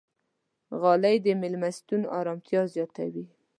غالۍ د میلمستون ارامتیا زیاتوي.